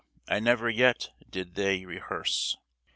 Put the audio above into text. never yet did they rehearse.